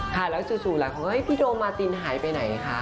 ค่ะแล้วสู่แล้วพี่โดร่มาร์ตินหายไปไหนคะ